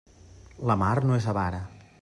La mar no és avara.